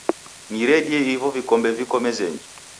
Niredie ivo vikombe viko mezenyi.